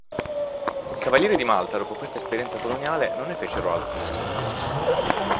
I cavalieri di Malta dopo questa esperienza coloniale non ne fecero altre nel mondo.